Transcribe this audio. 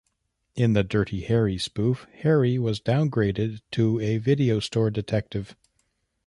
In the "Dirty Harry" spoof, Harry was downgraded to a video store detective.